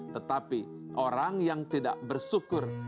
tetapi orang yang tidak bersyukur